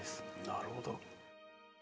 なるほど。